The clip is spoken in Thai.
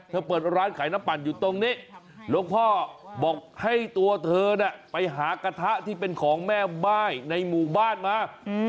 เปิดร้านขายน้ำปั่นอยู่ตรงนี้หลวงพ่อบอกให้ตัวเธอไปหากระทะที่เป็นของแม่ม่ายในหมู่บ้านมา